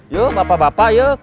yuk bapak bapak yuk